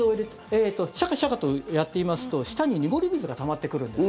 シャカシャカとやっていますと下に濁り水がたまってくるんです。